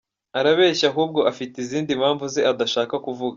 Arabeshya ahubwo afite izindi mpamvu ze adashaka kuvuga.